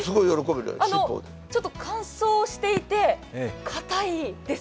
ちょっと乾燥していて、かたいです